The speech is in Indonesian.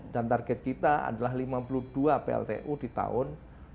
dan target kita adalah lima puluh dua pltu di tahun dua ribu dua puluh lima